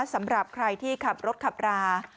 สำหรับใครที่ขับรถขับรา